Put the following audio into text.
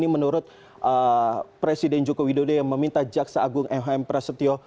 presiden joko widodo yang meminta jaksa agung hm prasetyo